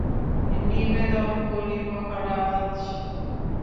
নিবেদন করি মহারাজ।